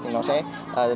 thì nó sẽ góp phần đảm bảo